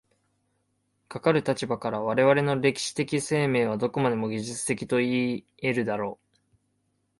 かかる立場から、我々の歴史的生命はどこまでも技術的といい得るであろう。